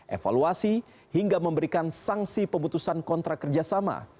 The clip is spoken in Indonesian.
evaluasi hingga memberikan sanksi pemutusan kontrak kerjasama